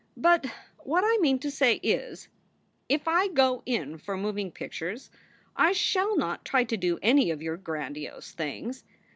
But what I mean to say, is: " If I go in for moving pictures I shall not try to do any of your grandiose things.